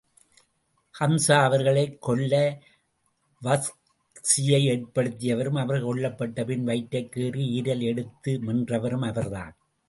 ஹம்ஸா அவர்களைக் கொல்ல வஹ்ஷியை ஏற்படுத்தியவரும், அவர்கள் கொல்லப்பட்ட பின் வயிற்றைக் கீறி ஈரலை எடுத்து மென்றவரும் அவர்தான்.